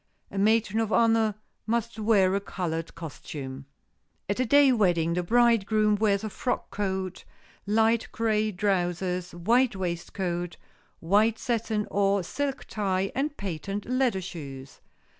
A matron of honor must wear a colored costume. At a day wedding the bridegroom wears a frock coat, light gray trousers, white waistcoat, white satin or silk tie and patent leather shoes.